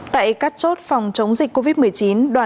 tại các chốt phòng chống dịch covid một mươi chín